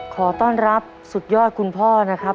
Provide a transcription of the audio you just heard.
ขอต้อนรับสุดยอดคุณพ่อนะครับ